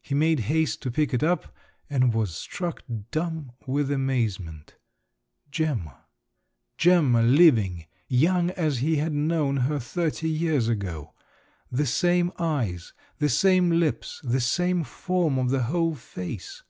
He made haste to pick it up—and was struck dumb with amazement: Gemma, Gemma living, young as he had known her thirty years ago! The same eyes, the same lips, the same form of the whole face!